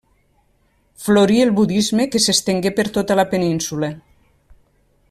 Florí el budisme que s'estengué per tota la península.